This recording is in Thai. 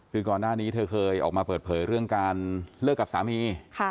คือก่อนหน้านี้เธอเคยออกมาเปิดเผยเรื่องการเลิกกับสามี